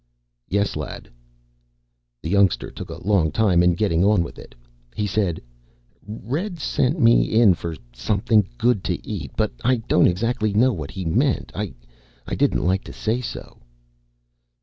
"Yes, lad." The youngster took a long time in getting on with it. He said, "Red sent me in for something good to eat, but I don't exactly know what he meant. I didn't like to say so."